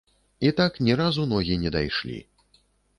І так ні разу ногі не дайшлі.